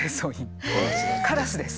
カラスです。